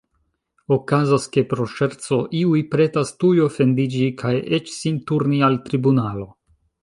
Okazas, ke pro ŝerco iuj pretas tuj ofendiĝi kaj eĉ sin turni al tribunalo.